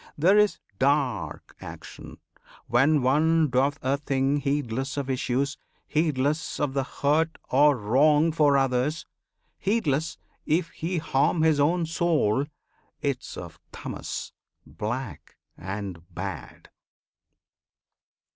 There is "dark" Action: when one doth a thing Heedless of issues, heedless of the hurt Or wrong for others, heedless if he harm His own soul 'tis of Tamas, black and bad!